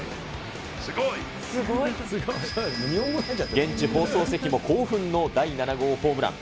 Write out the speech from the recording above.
現地放送席も興奮の第７号ホームラン。